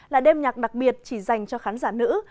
là đêm nhạc đặc biệt chỉ dành cho khán giả nữ